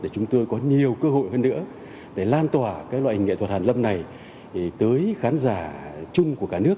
chúng tôi có nhiều cơ hội hơn nữa để lan tỏa loại nghệ thuật hàn lâm này tới khán giả chung của cả nước